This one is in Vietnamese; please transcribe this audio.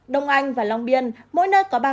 đông anh và long biên mỗi nơi có ba ca